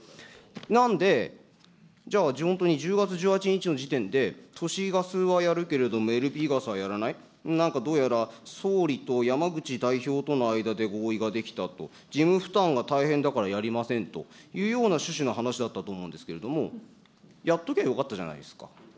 なんで、じゃあ、地元に１０月１８日の時点で、都市ガスはやるけれどもＬＰガスはやらない、なんかどうやら総理と山口代表との間で合意ができたと、事務負担が大変だからやりませんというような趣旨の話だったと思うんですけれども、やっときゃよかったじゃないですか。